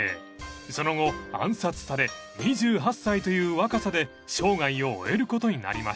［その後暗殺され２８歳という若さで生涯を終えることになりました］